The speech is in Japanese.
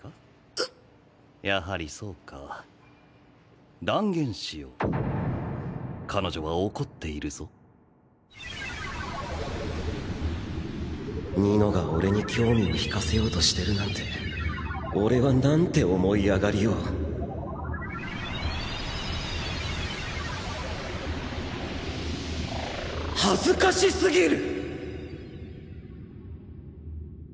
うっやはりそうか断言しよう彼女は怒っているぞ二乃が俺に興味を引かせようとしてるなんて俺はなんて思い上がりを恥ずかしすぎる！